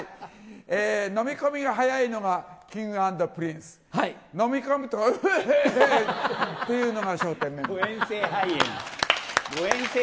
飲み込みが早いのがＫｉｎｇ＆Ｐｒｉｎｃｅ、飲み込むと、うへへっっていうのが笑点メンバー。